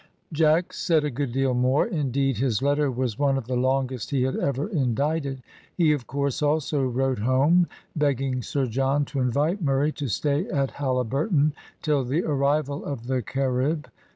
Jack said a good deal more, indeed his letter was one of the longest he had ever indited. He, of course, also wrote home, begging Sir John to invite Murray to stay at Halliburton till the arrival of the Carib.